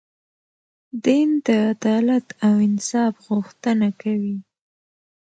دین د عدالت او انصاف غوښتنه کوي.